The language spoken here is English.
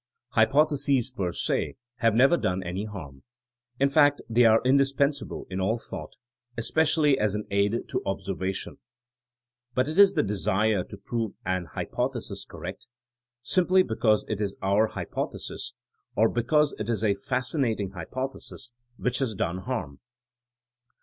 Hypotheses per S9 have never done THINEINa AS A SCIENCE 109 any harm. In fact they are indispensable in all thought, especially as an aid to observation. But it is the desire to prove an hypothesis cor rect, simply because it is our hypothesis, or be cause it is a fascinating hypothesis, which has done harm.